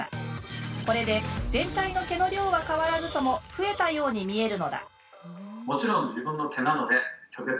これで全体の毛の量は変わらずとも増えたように見えるのだ。